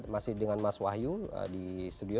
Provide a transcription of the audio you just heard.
masih dengan mas wahyu di studio